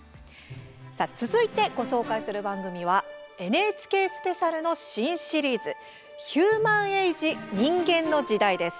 続いて、ご紹介する番組はＮＨＫスペシャルの新シリーズ「ヒューマン・エイジ人間の時代」です。